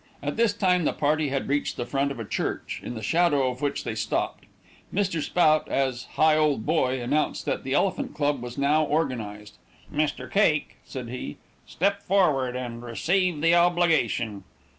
At this time the party had reached the front of a church, in the shadow of which they stopped. Mr. Spout, as Higholdboy, announced that the Elephant Club was now organized. "Mr. Cake," said he, "step forward and receive the obligation."